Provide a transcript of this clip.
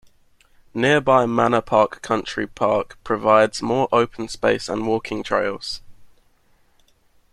Nearby Manor Park Country Park provides more open space and walking trails.